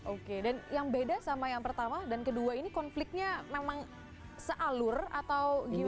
oke dan yang beda sama yang pertama dan kedua ini konfliknya memang sealur atau gimana